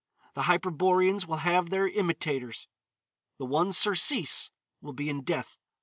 The Hyperboreans will have their imitators. The one surcease will be in death.